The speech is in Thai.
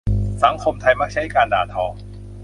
สังคมไทยมักใช้การด่าทอ